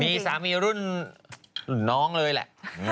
มีสามีรุ่นน้องเลยแหละ